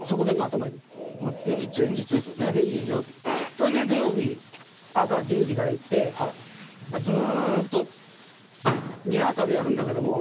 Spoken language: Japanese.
それで土曜日朝１０時から行ってずっとリハーサルやるんだけども。